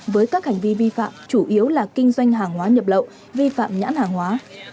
với các hành vi vi phạm chủ yếu là kinh doanh hàng hóa nhập lậu vi phạm nhãn hàng hóa